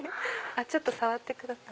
ちょっと触ってください。